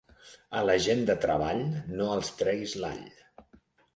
A la gent de treball, no els treguis l'all.